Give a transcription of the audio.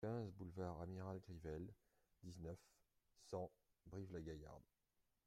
quinze boulevard Amiral Grivel, dix-neuf, cent, Brive-la-Gaillarde